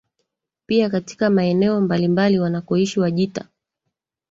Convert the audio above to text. pia katika maeneo mbalimbali wanakoishi Wajita